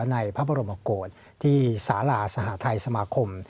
ในพระบรมโกศที่สาลาสหทัยสมาคม